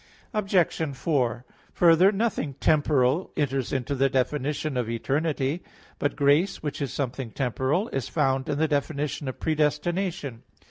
Obj. 4: Further, nothing temporal enters into the definition of eternity. But grace, which is something temporal, is found in the definition of predestination.